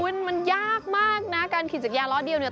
คุณมันยากมากนะการขี่จักรยานล้อเดียวเนี่ย